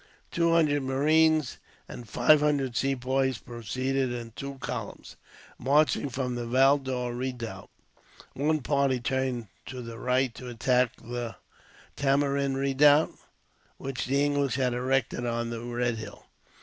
Two hundred marines and five hundred Sepoys proceeded, in two columns. Marching from the Valdore redoubt, one party turned to the right to attack the Tamarind redoubt, which the English had erected on the Red Hill.